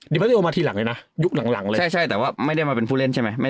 ไม่ได้โอมาทีหลังเลยนะยุคหลังเลยใช่ใช่แต่ว่าไม่ได้มาเป็นผู้เล่นใช่ไหม